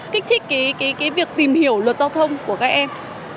kích thích việc tìm hiểu luật giao thông của các em